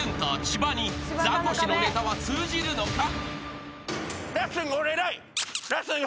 千葉にザコシのネタは通じるのか？］